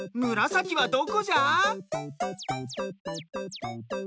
むらさきはどこじゃ？